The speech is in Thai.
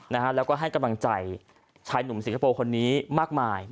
แล้วก็ให้กำลังใจชายหนุ่มสิงคโปร์คนนี้มากมาย